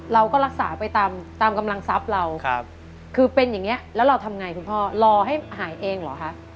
เราก็รักษาไปตามกำลังทรัพย์เราคือเป็นอย่างนี้แล้วเราทำไงคุณพ่อรอให้หายเองเหรอคะ